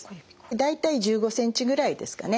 大体１５ｃｍぐらいですかね。